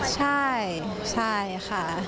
ใช่เลยค่ะ